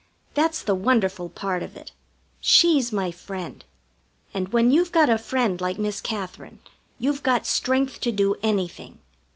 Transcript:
That's the wonderful part of it. She's my friend. And when you've got a friend like Miss Katherine you've got strength to do anything.